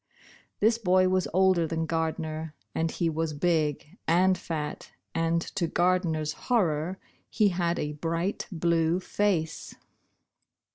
This boy was older than Gardner, and he was big and fat, and, to Gardner's horror, he had a bright blue face.